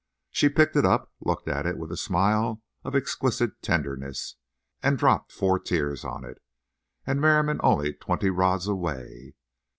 She picked it up, looked at it with a smile of exquisite tenderness, and—dropped four tears on it. And Merriam only twenty rods away!